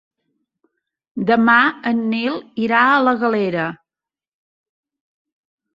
Demà en Nil irà a la Galera.